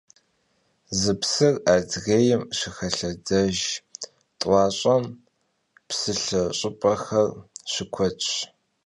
Zı psır adrêym şıxelhedejj t'uaş'em psılhe ş'ıp'exer şıkuedş.